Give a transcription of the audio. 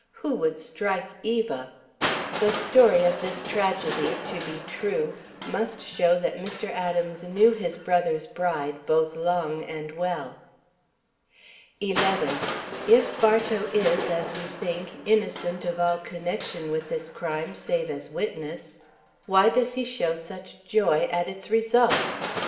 Who would strike Eva?" The story of this tragedy, to be true, must show that Mr. Adams knew his brother's bride both long and well. 11. If Bartow is, as we think, innocent of all connection with this crime save as witness, why does he show such joy at its result?